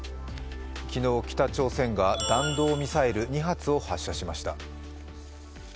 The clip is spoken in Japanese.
昨日、北朝鮮が弾道ミサイル２発を発射しました。